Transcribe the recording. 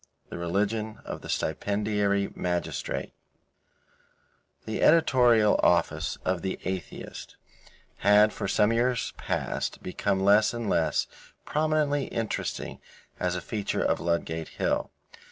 THE RELIGION OF THE STIPENDIARY MAGISTRATE The editorial office of The Atheist had for some years past become less and less prominently interesting as a feature of Ludgate Hill.